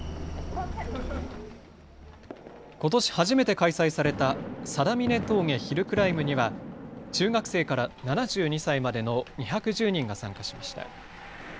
ことし初めて開催された定峰峠ヒルクライムには中学生から７２歳までの２１０人が参加しました。